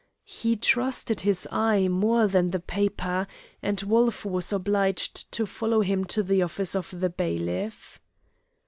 He trusted his eyes more than the paper, and Wolf was obliged to follow him to the office of the bailiff.